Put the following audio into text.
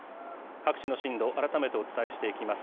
各地の震度改めてお伝えしていきます。